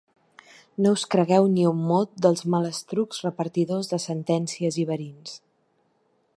No us cregueu ni un mot dels malastrucs repartidors de sentències i verins.